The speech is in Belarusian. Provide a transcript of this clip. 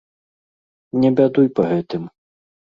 Не бядуй па гэтым.